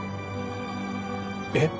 えっ？